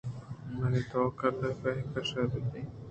بلے تو عقل ءَپہک شَپادے